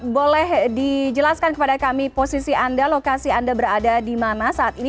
boleh dijelaskan kepada kami posisi anda lokasi anda berada di mana saat ini